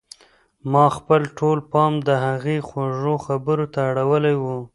ما خپل ټول پام د هغې خوږو خبرو ته اړولی و.